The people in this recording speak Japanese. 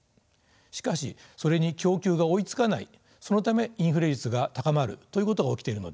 しかしそれに供給が追いつかないそのためインフレ率が高まるということが起きているのです。